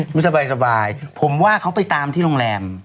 ไม่สบายผมว่าเขาไปตามที่โรงแรม